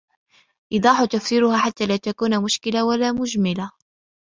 إيضَاحُ تَفْسِيرِهَا حَتَّى لَا تَكُونَ مُشْكِلَةً وَلَا مُجْمَلَةً